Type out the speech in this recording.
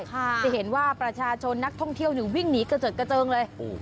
จะเห็นว่าประชาชนนักท่องเที่ยววิ่งหนีกระเจิดกระเจิงเลย